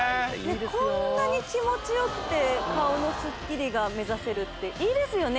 こんなに気持ちよくて顔のスッキリが目指せるっていいですよね！